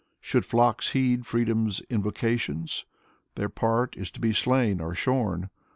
Should flocks heed freedom's invocations? Their part is to be slain or shorn.